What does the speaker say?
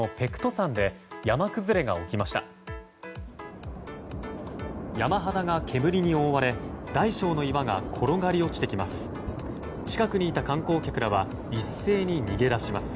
山肌が煙に覆われ大小の岩が転がり落ちてきます。